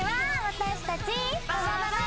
私たち。